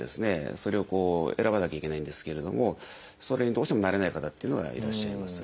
それを選ばなきゃいけないんですけれどもそれにどうしても慣れない方っていうのがいらっしゃいます。